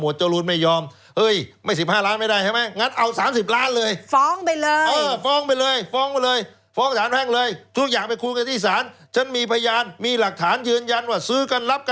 โดนอายัดเสร็จก็เรียกมาคุยแล้วก็บ